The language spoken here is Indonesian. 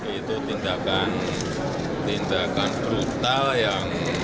itu tindakan brutal yang